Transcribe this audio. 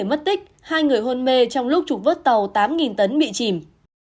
mất tích hai người hôn mê trong lúc trục vớt tàu tám tấn bị chìm